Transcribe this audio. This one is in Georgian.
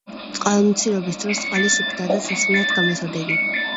წყალმცირობის დროს წყალი სუფთაა და სასმელად გამოსადეგი.